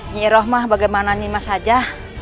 nyiroh mah bagaimana nih mas aja